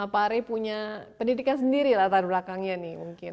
pak ari punya pendidikan sendiri latar belakangnya nih mungkin